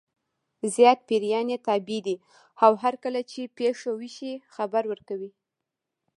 زیات پیریان یې تابع دي او هرکله چې پېښه وشي خبر ورکوي.